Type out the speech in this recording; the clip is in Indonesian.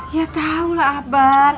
ya tau lah abang